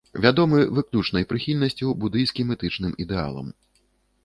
Вядомы выключнай прыхільнасцю будыйскім этычным ідэалам.